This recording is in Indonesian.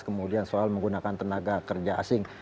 kemudian soal menggunakan tenaga kerja asing